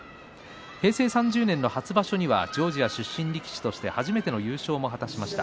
平成３０年の初場所にはジョージア出身力士として初めての優勝を果たしました。